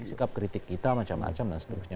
sikap kritik kita macam macam dan seterusnya